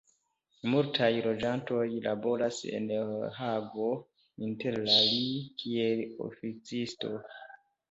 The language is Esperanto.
Multaj loĝantoj laboras en Hago interalie kiel oficisto.